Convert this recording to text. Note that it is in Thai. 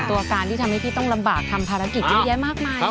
ตัวการที่ทำให้พี่ต้องลำบากทำภารกิจเยอะแยะมากมาย